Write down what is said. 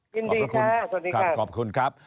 ยินดีค่ะสวัสดีครับ